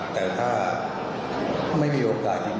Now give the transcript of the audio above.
แต่ถ้าไม่มีโอกาส